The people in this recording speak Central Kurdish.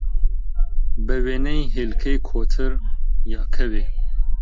بە وێنەی هێلکەی کۆتر، یا کەوێ